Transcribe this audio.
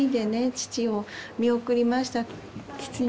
父を見送りました。